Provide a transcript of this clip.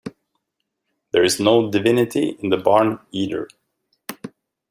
There is no divinity in the barn, either.